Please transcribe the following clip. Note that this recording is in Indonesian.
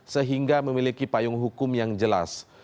sehingga memiliki payung hukum yang jelas